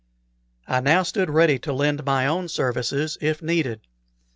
I now stood ready to lend my own services, if needful.